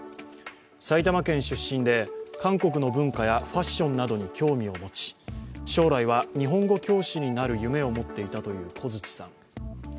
埼玉県出身で韓国の文化やファッションなどに興味を持ち将来は日本語教師になる夢を持っていたという小槌さん。